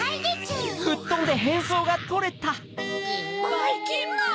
ばいきんまん！